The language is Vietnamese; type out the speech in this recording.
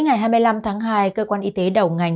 ngày hai mươi năm tháng hai cơ quan y tế đầu ngành